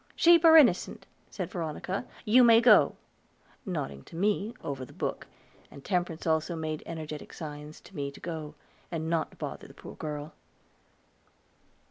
"Sheep are innocent," said Veronica. "You may go," nodding to me, over the book, and Temperance also made energetic signs to me to go, and not bother the poor girl.